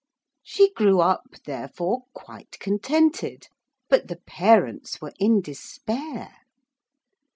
She grew up therefore quite contented. But the parents were in despair.